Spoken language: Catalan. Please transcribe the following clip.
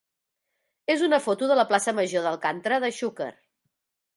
és una foto de la plaça major d'Alcàntera de Xúquer.